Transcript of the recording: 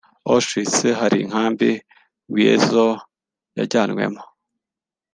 Auschwitz hari inkambi Wiesel yajyanwemo